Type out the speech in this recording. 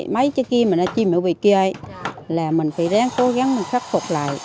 máy trước kia mà nó chìm ở bên kia là mình phải ráng cố gắng khắc phục lại